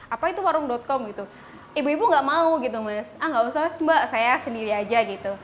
apa itu warung com gitu ibu ibu nggak mau gitu mas ah nggak usah mas mbak saya sendiri aja gitu